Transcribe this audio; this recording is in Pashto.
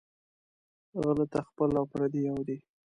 غله ته خپل او پردي یو دى